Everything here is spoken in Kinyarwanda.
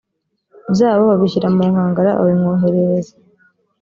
byabo babishyira mu nkangara babimwoherereza